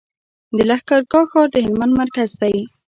د لښکرګاه ښار د هلمند مرکز دی